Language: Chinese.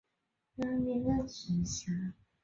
阴蒂肥大不同于性刺激下阴蒂的自然增大。